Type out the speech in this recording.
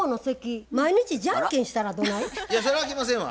いやそれはあきませんわ。